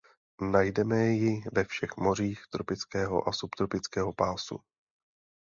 Najdeme ji ve všech mořích tropického a subtropického pásu.